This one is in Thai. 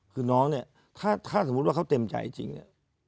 คือน้องเนี่ยถ้าสมมุติว่าเขาเต็มใจจริงเนี่ย